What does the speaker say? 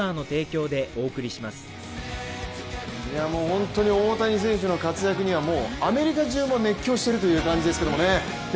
本当に大谷選手の活躍にはアメリカ中が熱狂しているという感じですけれどもね。